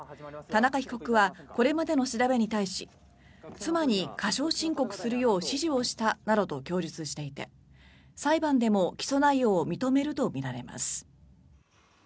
田中被告はこれまでの調べに対し妻に過少申告するよう指示をしたなどと供述していて裁判でも起訴内容を認めるとみられます。